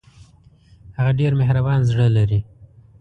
هغه ډېر مهربان زړه لري